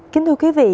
kính thưa quý vị